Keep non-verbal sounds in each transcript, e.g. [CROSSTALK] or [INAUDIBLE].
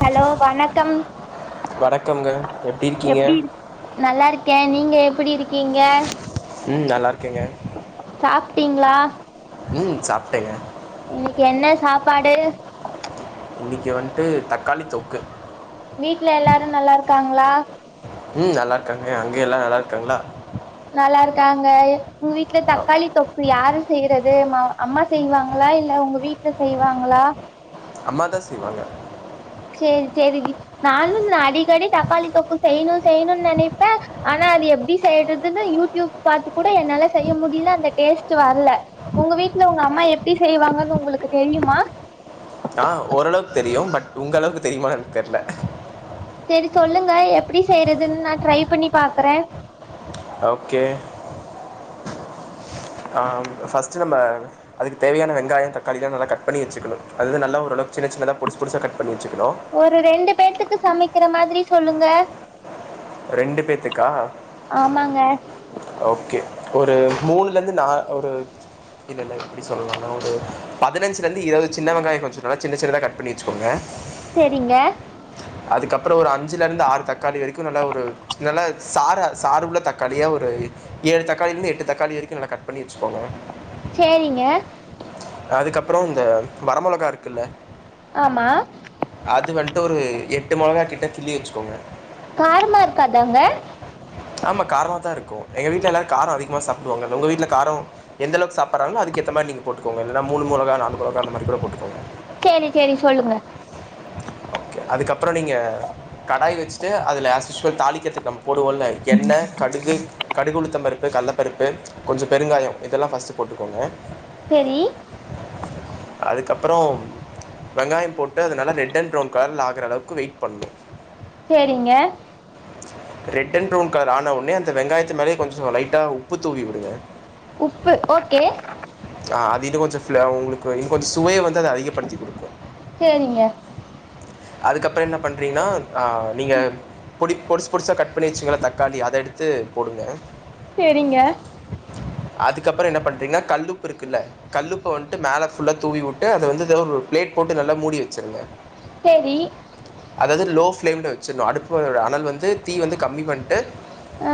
Hello வணக்கம் வணக்கம்ங்க இருக்கீங்க எப்டி இருக் நல்லாருக்கே நீங்க எப்டி இருக்கீங்க ம் நல்லா இருக்கேங்க சாப்டீங்களா ம் சாப்டங்க இன்னக்கி என்ன சாப்பாடு இன்னக்கி வன்ட்டு தக்காளி தொக்கு வீட்ல எல்லாரு நல்லா இருக்காங் களா ம் நல்லா இருக்காங்க அங்க எல்லா நல்லா இருக்காங்ளா நல்லா இருக்காங்க எ உங் வீட்ல ஆ, தக்காளி தொக்கு யாரு செய் தது மா அம்மா செய்வாங்களா இல்ல உங்க வீட்ல செய்வாங்களா அம்மாாதா செய்வாங்க சேரி சேரி வி நானு நா அடிக்கடி தக்காளி தொக்கு செய்ணு செய்ணுன் நெனைப்ப ஆனா அது எப்டி செய்றதுனு யூடியூப் பாத்து கூட என்னால செய்ய முடில அந்த டேஸ்ட்டு வர்ல உங்க வீட்ல உங்க அம்மா எப்டி செய்வாங்கன்னு உங்களுக்கு தெரியுமா ஆ ஓரளவ்க் தெரியு பட் உங்களவுக்கு தெரியுமான் எனக் தெர்ல சேரி சொல்லுங்க எப்டி செய்றதுன் நா ட்ரை பண்ணி பாக்குற ஓகே ஆம் ஃபஸ்ட்டு நம்ப அதுக்கு தேவையான வெங்காயம் தக்காளிலா நல்லா கட் பண்ணி வச்சுக்கணு அதுதா நல்லா ஓரளவுக் சின்னச் சின்னதா பொடிஸ் பொடிஸா கட் பண்ணி வச்சுக்கணு ஒரு ரெண்டு பேத்துக்கு சமக்கிற மாதிரி சொல்லுங்க ரெண்டு பேத்துக்கா ஆமாங்க ஓகே ஒரு மூணுலேந்து நா ஒரு இல்லல்ல எப்டி சொல்லலாண்ணா ஒரு பதினஞ்லேந்து இருவது சின்ன வெங்காயொ கொஞ்சொ நல்லா சின்ன சின்னதா கட் பண்ணி வெச்சிக்கோங்க செரிங்க அதுக்கப்பறோ ஒரு அஞ்சுலேருந்து ஆறு தக்காளி வரிக்கு நல்லா ஒரு நல்லா சாறு சாறு உள்ள தக்காளியா ஒரு ஏழு தக்காளிலேந்து எட்டு தக்காளி வரைக்கு நல்லா கட் பண்ணி வெச்சுகோங்க சேரிங்க அதுக்கப்பறோ அந்த வர மொளகா இருக்குல்ல ஆமா அது வன்ட்டு ஒரு எட்டு மொளகா கிட்ட கிள்ளி வெச்சிக்கோங்க காரமா இருக்காதாங்க ஆமா காரமாதா இருக்கு எங்க வீட்ல எல்லாரு காரொ அதிகமா சாப்டுவாங்க உங்க வீட்ல காரொ எந்தளவுக் சாப்பர்றாங்களோ அதுக்கு ஏத்த மாரி நீங்க போட்டுக்கோங்க இல்லனா மூணு மொளகா நாலு மொளகா அந்த மாரி கூட போட்டுக்கோங் சேரி சேரி சொல்லுங்க ப்றொ நீங்க கடாய் வெச்சிட்டு அதுல ஆஷிஷுவல் தாளிக்கிறதுக்கு நம்ம போடுவோல் என்ன கடுகு கடுககுளுத்தம் பருப்பு கல்லப்பருப்பு கொஞ்சொ பெருங்காயொ இதெல்லா ஃபஸ்ட்டு போட்டுக்கோங்க செரி அதுக்கப்பறோ வெங்காயம் போட்டு அது நல்லா ரெட்டண் ப்ரௌன் கலர்ல ஆகுற அளவுக்கு வெயிட் பண்ணு சேரிங்க ரெட் அண்ட் பிறவுன் கலர் ஆன உடனே அந்த வெங்காயத்து மேலே கொஞ்ச லைட்டா உப்பு தூவி விடுங்க உப்பு ஓகே ஆ, அது இன்னு கொஞ்ச பிளவ்டு உங்களுக்கு இன்ன கொஞ்ச சுவை வந்து அதிகப்படுத்திக குடுக்கு சேரிங்க அதுக்கப்புற என்ன பண்றீங்கன்னா ஆ நீங்க பொடி பொடிசு பொடிசா கட் பண்ணி வச்சங்க தக் காளி அதை எடுத்து போடுங்க சேரிங்க அதுக்கப்புற என்ன பண்றீங்கன்னா கல்லுப்பு இருக்குல்ல கல்லுப்ப வந்துட்டு மேல ஃபுல்லா தூவி விட்டு அத வந்து ஒரு பிளேட் போட்டு நல்லா மூடி வச்சிருங்க சேரி அதாவது லோ ஃப்ளேம்ல வச்சிடுங்க அடுப்புட அனல் வந்து தீ வந்து கம்மி பண்ணிட்டு ஆ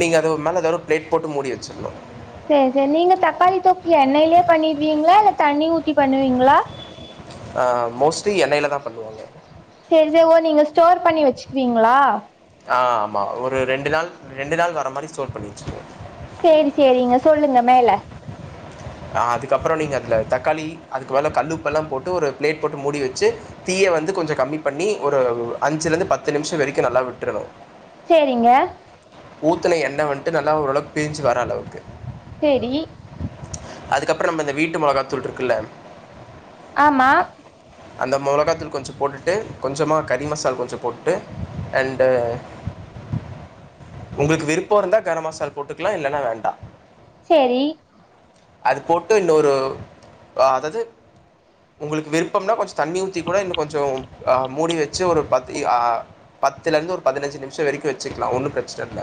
நீங்க அது மேல ஏதாவது பிளேட் போட்டு மூடி வச்சிரணு சேரி சேரி நீங்க தக்காளி தொக்கு எண்ணெய்யிலயே பண்ணிடுவீங்களா இல்ல தண்ணி ஊத்தி பண்ணுவீங்களா மோஸ்ட்லி எண்ணெயில தா பண்ணுவாங்க சேரி சேரி ஓ நீங்க ஸ்டோர் பண்ணி வச்சுக்குவீங்களா ஆ ஆமா ஒரு ரெண்டு நாள் ரெண்டு நாள் வர மாரி ஸ்டோல் பண்ணி வச்சுருக்கோங்க சேரி சேரிங்க சொல்லுங்க மேல ஆ அதுக்கப்புற நீங்க தக்காளி அதுக்கு மேல கல்லுப்பல்லா போட்டு ஒரு பிளேட் போட்டு மூடி வச்சு தீய வந்து கொஞ்ச கம்மி பண்ணி ஒரு அஞ்சுலருந்து பத்து நிமிஷ வரைக்கு நல்லா விட்டுணு சேரிங்க ஊத்துன எண்ணெ வந்துட்டுல்ல நல்லா ஓரளவுக்கு பிரிஞ்சு வர அளவுக்கு சேரி அதுக்கப்பற நம்ம இந்த வீட்டு மொளகாத்தூள் இருக்குல்ல ஆமா அந்த மொளகாத்தூள் கொஞ்ச போட்டுட்டு கொஞ்சமா கறி மசால் கொஞ்ச போட்டு அண்டு் உங்களுக்கு விருப்ப இருந்தா கரம் மசால் போட்டுக்கலா இல்லைன்னா வேண்டா சேரி அது போட்டு இன்னொரு அ அதாது உங்களுக்கு விருப்பம்னா கொஞ்ச தண்ணி ஊத்தி கூட இன்னும் கொஞ்ச ஆ மூடி வச்சு ஒரு பத்து ஆ பத்துலருந்து ஒரு பதின்சு நிமிஷ வறிக்கு வச்சக்கலா ஒன்னு பிர ஸ்டெட்ல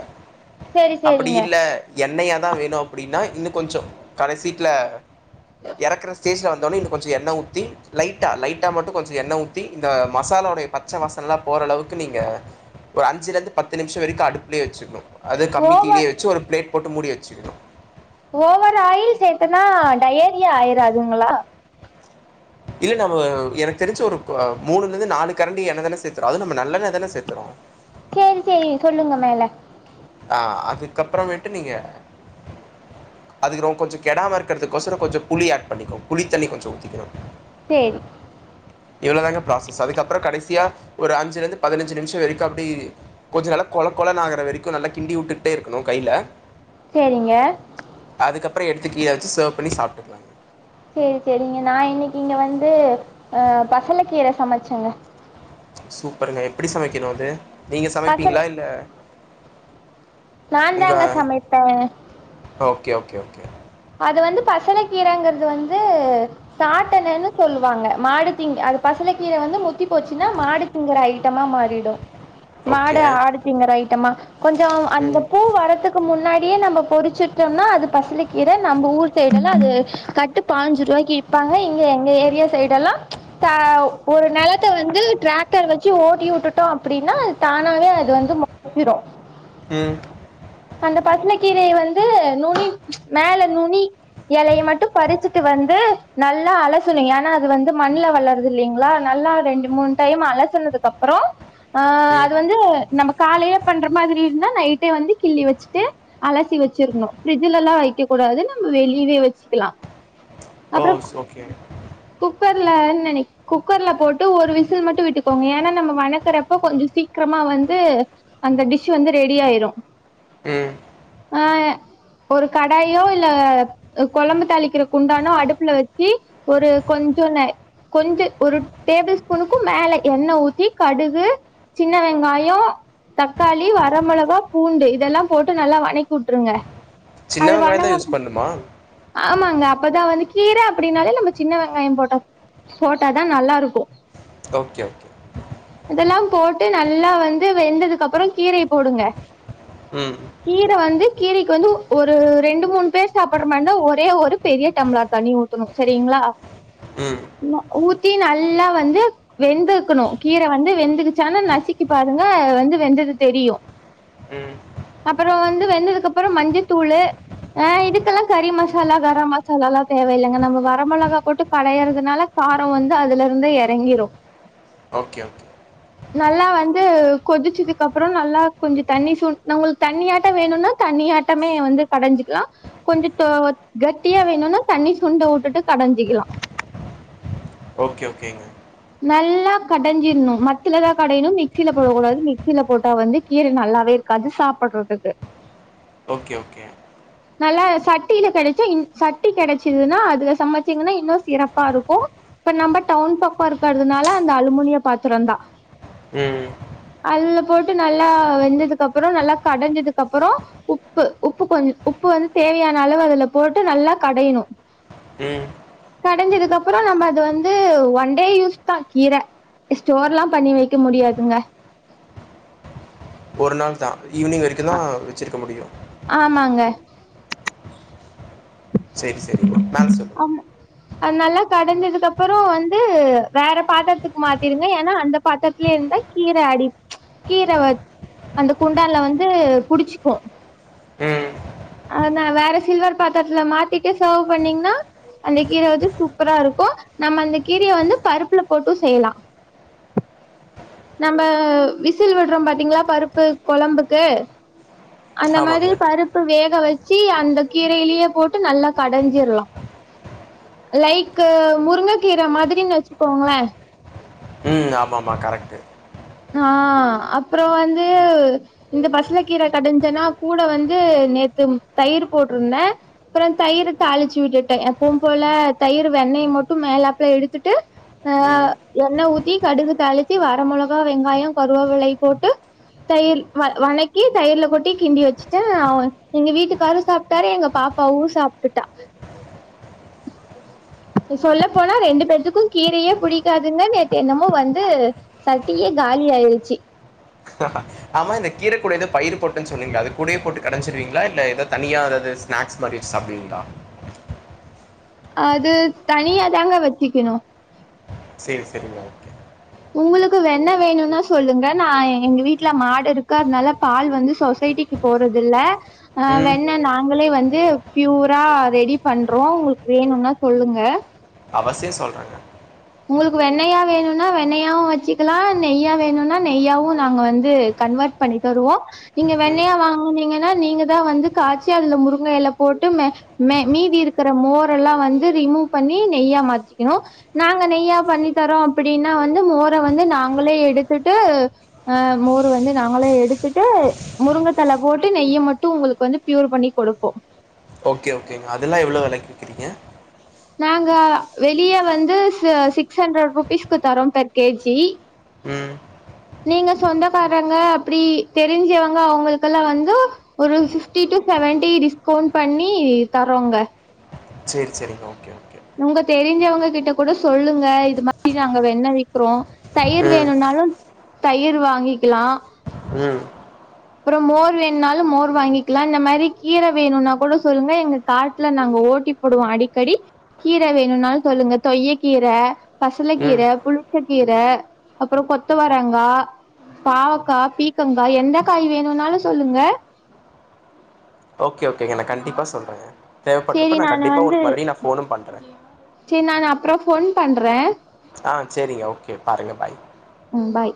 செரி அப்படி செரிங்க இல்ல என்னைய தா வேணு அப்படின்னா இன்னக் கொஞ்ச கடசீட்ல எறக்குற ஸ்டேஷ வெந்ததொடனே இன்னு கொஞ்சம் எண்ண ஊத்தி லைட்டா லைட்டா மட்டு கொஞ்ச எண்ண ஊத்தி இந்த மசால ஓட பச்சவாசனல்லா போரளவுக்கு நீங்க ஐஞ்லெருந்து பத்து நிமிச வரைக்கு அடுப்புலயே வச்சிருக்கனு அது கம்மி ஓவர் தீலயே வச்சு ஒரு பிளே போட்டு முடி வச்சுக்கணு ஓவொரு ஆயில் சேத்தன்னா டயேரியா ஆயிறாதுங்களா இல்ல நம்ம எனக்கு தெரிஞ்சு ஒரு போ மூணுல இருந்து நாலு கரண்டி என்ன தான சேத்தறோ அது நம்ம நல்லெண்ண தானே சேத்தறோ சரி சரி சொல்லுங்க மேல ஆ அதுக்கப்புறம்மேட்டு நீங்க அதுக்கு ரம் கொஞ்ச கெடாம இருக்கிறதுக்கோசர கொஞ்ச புளி ஆட் பண்ணிக்கோ புளி தண்ணி கொஞ்ச ஊத்திக்கணு சரி இவ்வளோதாங்க ப்ராசஸ் அதுக்கப்புற கடைசியா ஒரு அஞ்சுலந்து பதினஞ்சு நிமிஷ வரைக்க அப்படி கொஞ்சம் நல்லா கொலகொலனு ஆகுற வரைக்கு நல்லா கிண்டி விட்டுக்கிட்டே இருக்கணு கையில சரிங்க அப்புற எடுதுக் கீழ வச்சு சர்வ் பண்ணி சாப்ட்டுகலா நீங்க வந்து அ பசல கீர சமைச்சங்க சூப்பருங்க எப்டி சமைக்கணு அது நீங்க சமைப்பீங்ளா இல்ல நான் தாங்க சமைப்பே கே ஓகே ஓகே அது வந்து பசல கீரங்கற்து வந்து சாட்டணன்னு சொல்லுவாங்க மாடு திங்க அது பசல கீர வந்து முத்தி போச்சுனா மாடு திங்கிர ஐ ட்டமா மாறிடு ஓகே மாடு ஆடு திங்கர ஐட்டமா கொஞ்சோ அந்த ம் பூ வரதுக்கு முன்னா டியே நம்போ பொறிச்சுட்டோம்னா அது பசல இத நம்ப ஊர் சைடெல்லா அது கட்டு பாஞ்சு ருவாய்க்கி விப்பாங்க இங்க எங்க ஏரியா சைட் ல்லா ச்ச் ஃப ஒ ஒரு நெலத்த வந்து ட்ராக்டர் வெச்சு ஓட்டி வுட்டுட்டோ அப்புடீனா தானாவே அது வந்து முடி [INAUDIBLE] சிடு ம் அந்த பச்ண கீரைய வந் து நுனி மேல நுனி எலய மட்டு பறிச்சுட்டு வந்து நல்லா அலசணு ஏன்னா அது வந்து மண்ல வளற்தில்லிங்ளா நல்லா ரெண்டு மூணு டைம் அலசுனதுக்கு அப்பறோ அ ம் அது வந்து நமக் காலையே பண்ற மாதிரி இருந்தா நைட்டே வந்து கிள்ளி வெச்சிட்டு அலசி வெச்சிர்ணு ஃப்ரி ஜுலலா வைக்க கூடாது நம்ம வெளிவே வெச்சுக்கலா ஓ செ ஓகே ல நை குக்கர்ல போட்டு ஒரு விசில் மட்டு விட்டுக்கோங்க ஏன்னா நம்ம வணக்கறப்போ கொஞ்சோ சீக்ரமா வந்து அந்த டிஷ் வந்து ரெடி ஆயிரு ம் அ ஒரு கடாயோ இல்ல கொழம்பு தாளிக்கிற குண்டானோ அடுப்புல வெச்சி ஒரு கொஞ்சோ ந கொஞ்ச ஒரு டேபிள் ஸ்பூனுக்கும் மேல எண்ண ஊத்தி கடுகு சின்ன வெங்காயோ தக்காளி வரமெளகா பூண்டு இதெல்லா போட்டு நல்லா வனக் வுட்ருங்க சின்ன அது வெங்காயந் தா வணங்க யூஸ் பண்ணுமா ஆமாங்க அப்பதா வந்து கீர அப்படின்னாலே நம்ம சின்ன வெங்காயோ போட்டா போட்டாதா நல்லாருக்கோ ஓகே ஓகே இதெல்லா போட்டு ந நல்லா வந்து வெந்ததுக்கு அப்பறோ கீரைய போடுங்க ம் கீர வந்து கீரைக்கு வந்து ஒரு ரெண்டு மூண் பேர் சாப்பட மாந்தா ஒரே ஒரு பெரிய டம்ளார் தண்ணி ஊத்தணு செரீங்ளா. ம் ந ஊத் த்தி நல்லா வந்து வெந்து இக்குணு கீர வந்து வெந்துக்குச்சானு நசுக்கி பாருங்க வந்து வெந்தது தெரியு ம் அப்பறோ வந்து வெந்ததுக்கு அப்பறோ மஞ்சத்தூளு அ இதுக் த்கெல்லா கறி மசாலா கரம் மசாலால்லா தேவ இல்லங்க நம்ம வர மெளகா போட்டு கடையறதுனால காரோ வந்து அதுலருந்தே எறங்கிரு. ஓகே ஓகே நல்லா வந்து கொதிச்சதுக்கு அப்றம் நல்லா கொஞ்சொ தண்ணி சுண் நம்ளுக்கு தண்ணியாட்ட வேணுனா தண்ணியாட்டமே வந்து கடஞ்சுக்லா கொஞ்சோ டோ கட்டியா வேணுனா தண்ணி சுண்ட வூட்டுட்டு கடஞ்சிக்லா ஓக்கே ஓகேங்க நல்லா கடஞ்சிட்ணு மத்துலதா கடையணு மிக்சில போட கூடாது மிக்சில போட்டா வந்து கீர நல்லாவேருக்காது சாப்பட்றத்துக்கு ஓக்கே ஓக்கே நல்லா சட்டீல கெடைச்சா சட்டி கெடச்சிதுனா அது சமைச்சிங்னா இன்னு சிறப்பாருக்கு இப்ப நம்ப டவுன் பக்கோ இருக் கறதுனால அந்த அலுமுனிய பாத்ரோந்தா ம் போட்டு நல்லா வெந்ததுக்கப்றோ நல்லா கடஞ்சதுக்கப்பறோ உப்பு உப்பு கொஞ் உப்பு வந்து தேவயான அளவு அதுல போட்டு நல்லா கடயிணு ம் கடஞ்சதுக்கப் அப்பறோ நம்ம அது வந்து ஒன்டே யூஸ் தா கீர ஸ்டோர்ல்லா பண்ணி வக்க முடியாதுங்க ஒருநாள்தா ஈவ்னிங் வரைக்குதா ஆ வெச்சுருக்க முடியு ஆமாங்க சேரி சேரிங்க மேல சொல்லுங்க ஆம் அது நல்லா கடஞ்சதுக்கு அப்பறோ வந்து வேற பாத்தரத்துக்கு மாத்திருங்க ஏனா அந்த பாத்தரத்துலே இந்தா கீர அடி ம்ச் கீர வ அந்த குண்டால்ல வந்து புடிச்சுக்கு ம் அது நா வேற சி சில்வர் பாத் பாத்தர்துல மாத்திட்டு சேர்வ் பண்ணீங்ன்னா அந்த கீர வந்து சூப்பரா இருக்கு நம்ம அந்த கீரைய வந்து பருப்புல போட்டூ செய்லா நம்ப விசில் விட்றோ பாத்தீங்ளா பருப்பு கொழம்புக்கு அந்த ஆமாங்க மாதிரி பருப்பு வேக வச் சி அந்த கீரையிலே போட்டு நல்லா கடஞ்சிர்லா லைக்கு முருங்க கீர மாதிரின் வச்சுக்கோங்ளே ம் ஆமா ஆமா கரெக்ட்டு ஆ அப்றோ வந்து இந்த பசல கீர கடஞ்சன்னா கூட வந்து நேத்து தயிர் போட்ருந்தே அப்றம் தயிரு தாளிச்சு விட்டுட்ட எப்பும்போல தயிர் வெண்ணய மட்டு மேலாப்ல எடுத்துட்டு அ ம் எண்ண ஊத்தி கடுகு தாளிச்சு வர மொளக் கா வெங்காயோ கருவவிலை போட்டு தயிர் வ வணக்கி தயிர்ல கொட்டி கிண்டி வச்சுட்டு அவ எங்க வீட்டுக்காரு சாப்ட்டாரு எங்க பாப்பாவு சாப்ட்டுட்டா சொல்ல போனா ரெண்டு பேத்துக்கு கீரையே புடிக்காதுங்க நேத்து என்னமோ வந்து சட்டியே காலி ஆயிருச்சு ஆமா இந்த கீர குட எதோ பயிரு போட்டன் சொன்னீங்ளே அது கூடயே போட்டு கடஞ்சிருவீங்ளா இல்ல எதா தனியா எதாது ஸ்நேக்ஸ் மாரி வச்சு சாப்டுவீங்ளா அது தனியா தாங்க வச்சிக்குணு சேர் செரிங்க உங்குளுக்கு வெண்ண வேணுனா சொல்லுங்க நா எங்க வீட்ல மாடு இருக்கு அதனால பால் வந்து சொசைட்டிக்கு போறதுல்ல ஆ ம் வெண்ண நா நாங்களே வந்து பியூரா ரெடி பண்றோ உங்ளுக்கு வேணுனா சொல்லுங்க அவசியம் சொல்றங்க உங்குளுக்கு வெண்ணயா வேணுனா வெண்ணயாவு வச்சுக்கலா நெய்யா வேணுனா நெய்யாவு நாங்க வந்து கன்வெர்ட் பண்ணி தருவோ நீங்க ம் வெண்ணயா வாங்குனீங்னா நீங்கதா வந்து காய்ச்சி அதுல முருங்க எல போட்டு மே மீதி இருக்குற மோரல்லா வந்து ரிமூவ் பண்ணி நெய்யா மாத்திக்குணு நாங்க நெய்யா பண்ணி தரோ அப்டின்னா வந்து மோர வந்து நாங்களே எடுத்துட்டு அ மோர வந்து நாங்களே எடுத்துட்டு முருங்க தல போட்டு நெய்ய மட்டு உங்ளுக்கு வந்து ப்யூர் பண்ணி குடுப்போ ஓக்கே ஓகேங்க அதுல்லா எவ்ளோ வெலைக்கு விக்கிறீங்க நாங்க வெளிய வந்து சு சிக்ஸ் ஹண்ட்ரட் ருபீஸ்க்கு தரோ பெர் கேஜி ம் நீங்க சொந்தக்காரங்க அப்டி தெரிஞ்சவங்க அவங்களுக்கல்லா வந்து ஒரு ஃபிஃப்டி டூ செவன்டி டிஸ்கவுண்ட் பண்ணி தரோங்க சேரி சேரிங்க ஓகே ஓகே உங்க தெரிஞ்சவங்க கிட்ட குட சொல்லுங்க இது மாரி நாங்க வெண்ண விக்கிறோ தயிர் ம் வேணுன்னாலு தயிர் வாங்கிக்கிலா ம் அப்பறோ மோர் வேணுன்னாலு மோர் வாங்கிக்கிலா இந்த மாரி கீர வேணுன்னா கூட சொல்லுங்க எங்க காட்ல நாங்க ஓட்டி போடுவோ அடிக்கடி கீர வேணுன்னாலு சொல்லுங்க தொய்யக்கீர பசல ம் கீர புளிச்சக் கீர அப்பறொ கொத்தவரங்கா பாவக்கா பீக்கங்கா எந்த காய் வேணுனாலு சொல்லுங்க ஓகே ஓகேங்க நா கண்டிப்பாக சொல்றங்க சேரி தேவப்பட்றப்ப நா நானு கண்டிப்பா வந்து உங்ளுக்கு மறுபடியு நா ஃபோனு பண்ற ப்றொ ஃபோன் பண்ற ஆ சேரிங்க ஓகே பாருங்க பாய் ம் பாய்